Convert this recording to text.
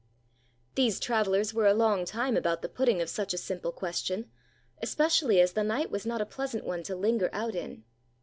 These travellers were a long time about the putting of such a simple question, especially as the night was not a pleasant one to linger out in.